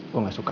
gue gak suka